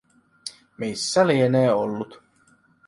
Missä lienee ollut.